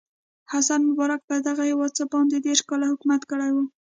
حسن مبارک پر دغه هېواد څه باندې دېرش کاله حکومت کړی و.